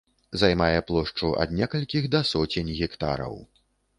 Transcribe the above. Займае плошчу ад некалькіх да соцень гектараў.